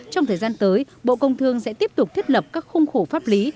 trong thời gian tới bộ công thương sẽ tiếp tục thiết lập các khung khổ pháp lý